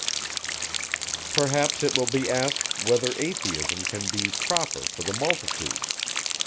Perhaps it will be asked, _whether Atheism can be proper for the multitude?